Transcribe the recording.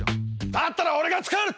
だったら俺が作る！